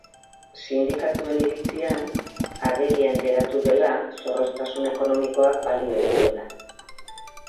Sindikatuen iritzian, agerian geratu dela zorroztasun ekonomikoak balio ez duela.